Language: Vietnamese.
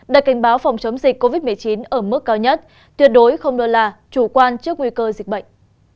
đặt cảnh báo phòng chống dịch covid một mươi chín ở mức cao nhất tuyệt đối không lơ là chủ quan trước nguy cơ dịch bệnh